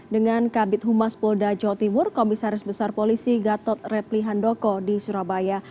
dengan kabit humas polda jawa timur komisaris besar polisi gatot repli handoko di surabaya